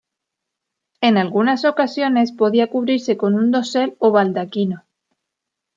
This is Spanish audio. En algunas ocasiones podía cubrirse con un dosel o baldaquino.